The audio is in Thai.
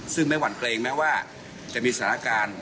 ซึ่งไม่หวั่นเกรงแม้ว่าจะมีสถานการณ์